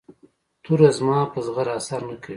توره زما په زغره اثر نه کوي.